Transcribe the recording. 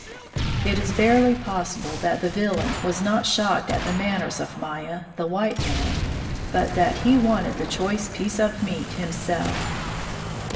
It is barely possible that the Villain was not shocked at the manners of Myah, the white man, but that he wanted the choice piece of meat himself.